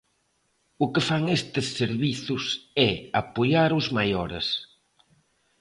O que fan estes servizos é apoiar os maiores.